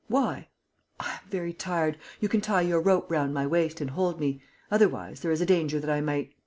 "Why?" "I am very tired. You can tie your rope round my waist and hold me.... Otherwise, there is a danger that I might...."